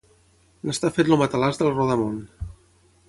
N'està fet el matalàs del rodamón.